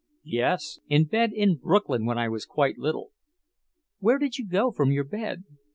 "Yes in bed in Brooklyn when I was quite little." "Where did you go from your bed?"